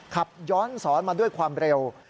ขับย้อนสอนมาด้วยความเร็ว